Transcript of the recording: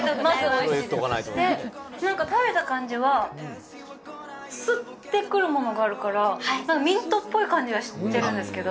食べた感じは、スッてくるものがあるから、ミントっぽい感じはしてるんですけど。